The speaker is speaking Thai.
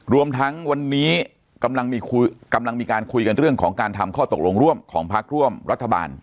รวมทั้งวันนี้กำลังมีการคุยกันเรื่องของการทำข้อตกลงร่วมของพักร่วมรัฐบาล